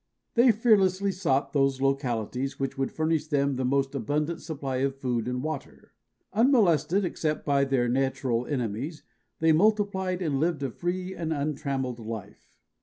They fearlessly sought those localities which would furnish them the most abundant supply of food and water. Unmolested except by their natural enemies, they multiplied and lived a free and untrammeled life.